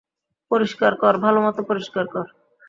পরিষ্কার কর, ভালোমতো পরিষ্কার কর।